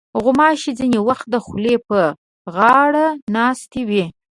غوماشې ځینې وخت د خولې پر غاړه ناستې وي.